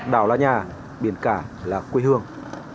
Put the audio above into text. đảo là nhà biển cả là quê hương